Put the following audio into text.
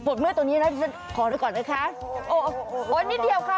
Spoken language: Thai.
พวกมือตรงนี้นะพี่ซึ่งขออนุญาตก่อนนะคะ